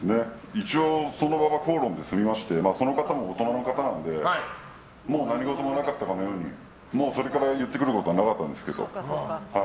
一応、その場は口論で済みましてその方も大人の方なのでもう何事もなかったかのようにそれから言ってくることはなかったんですけど。